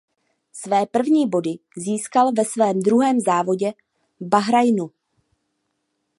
Své první body získal ve svém druhém závodě v Bahrajnu.